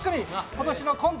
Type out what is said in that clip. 今年のコント